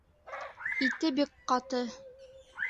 Ите бик ҡаты